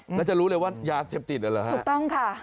แล้วจะรู้เลยว่ายาเสพติดเหรอฮะถูกต้องค่ะ